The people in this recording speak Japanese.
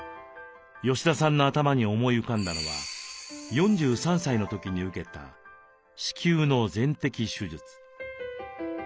吉田さんの頭に思い浮かんだのは４３歳の時に受けた子宮の全摘手術。